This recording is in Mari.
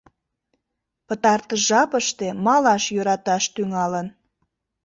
Пытартыш жапыште малаш йӧраташ тӱҥалын.